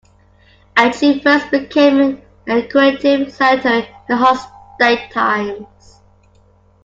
Aachen first became a curative centre in Hallstatt times.